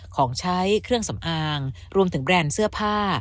ของใช้เครื่องสำอางรวมถึงแบรนด์เสื้อผ้า